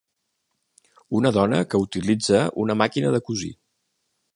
Una dona que utilitza una màquina de cosir.